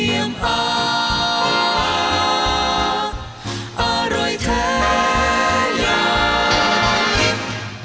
เมนูไข่เมนูไข่อร่อยแท้อยากกิน